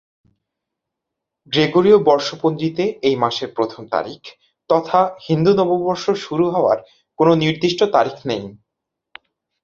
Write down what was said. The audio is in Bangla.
গ্রেগরীয় বর্ষপঞ্জিতে এই মাসের প্রথম তারিখ তথা হিন্দু নববর্ষ শুরু হওয়ার কোন নির্দিষ্ট তারিখ নেই।